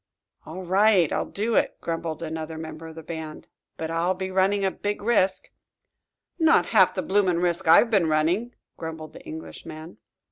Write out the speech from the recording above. "All right, I'll do it," grumbled another member of the band. "But I'll be running a big risk." "Not half the bloomin' risk I've been running," grumbled the Englishman.